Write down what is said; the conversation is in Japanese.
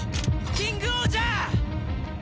キングオージャー！